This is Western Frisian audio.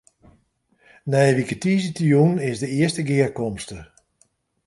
Nije wike tiisdeitejûn is de earste gearkomste.